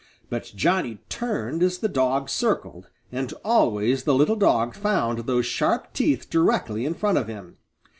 But Johnny turned as the dog circled, and always the little dog found those sharp teeth directly in front of him.